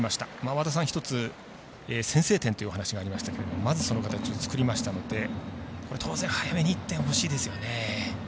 和田さん、１つ先制点というお話がありましたけどもまず、その形を作りましたので当然、早めに１点欲しいですよね。